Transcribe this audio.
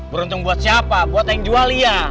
beruntung buat siapa buat yang jual iya